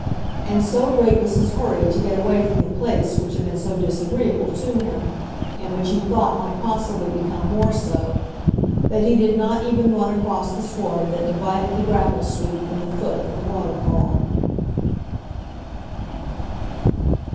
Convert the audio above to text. And so great was his hurry to get away from the place which had been so disagreeable to him, and which he thought might possibly become more so, that he did not even run across the sward that divided the gravel sweep from the foot of the waterfall.